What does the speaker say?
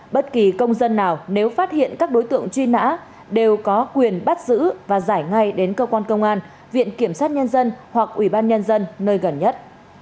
bất kỳ công dân nào nếu phát hiện các đối tượng truy nã đều có quyền bắt giữ và giải ngay đến cơ quan công an viện kiểm sát nhân dân hoặc ủy ban nhân dân nơi gần nhất